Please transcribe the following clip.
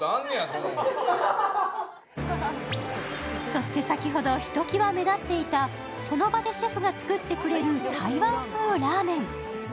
そして、先ほどひときわ目立っていたその場でシェフが作ってくれる台湾風ラーメン。